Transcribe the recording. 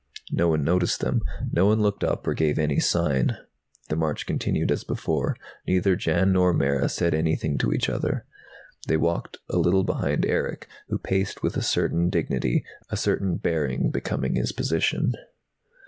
No one noticed them; no one looked up or gave any sign. The march continued as before. Neither Jan nor Mara said anything to each other. They walked a little behind Erick, who paced with a certain dignity, a certain bearing becoming his position.